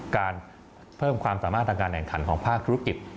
การเพิ่มความสามารถทางการแข่งขันของภาคธุรกิจ